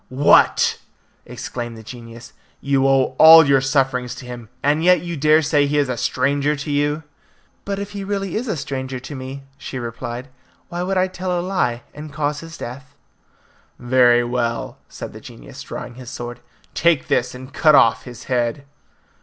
"What!" exclaimed the genius, "you owe all your sufferings to him, and yet you dare to say he is a stranger to you!" "But if he really is a stranger to me," she replied, "why should I tell a lie and cause his death?" "Very well," said the genius, drawing his sword, "take this, and cut off his head."